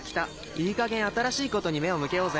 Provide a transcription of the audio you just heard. いいかげん新しいことに目を向けようぜ。